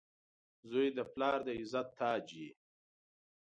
• زوی د پلار د عزت تاج وي.